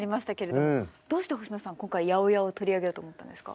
どうして星野さん今回８０８を取り上げようと思ったんですか？